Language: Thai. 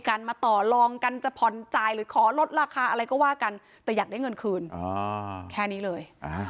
กันมาต่อลองกันจะผ่อนจ่ายหรือขอลดราคาอะไรก็ว่ากันแต่อยากได้เงินคืนแค่นี้เลย